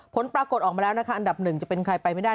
ผลปรากฏออกมาแล้วนะคะอันดับหนึ่งจะเป็นใครไปไม่ได้